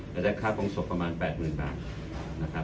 จะได้ค่าโปรงศพประมาณ๘๐๐๐๐บาท